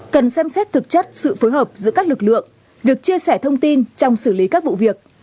cần xem xét thực chất sự phối hợp giữa các lực lượng việc chia sẻ thông tin trong xử lý các vụ việc